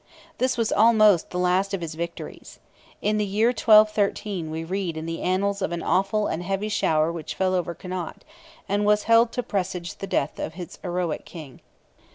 This was almost the last of his victories. In the year 1213 we read in the Annals of "an awful and heavy shower which fell over Connaught," and was held to presage the death of its heroic King.